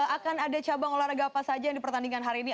akan ada cabang olahraga apa saja yang dipertandingkan hari ini